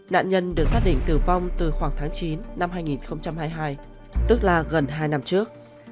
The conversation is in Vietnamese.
nạn nhân được xác định tử vong từ khoảng tháng chín năm hai nghìn hai mươi hai tức là gần hai năm trước